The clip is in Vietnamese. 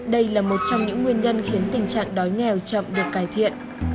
đây là một trong những nguyên nhân khiến tình trạng đói nghèo chậm được cải thiện